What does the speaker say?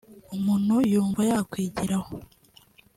umuntu yumva yakwigiraho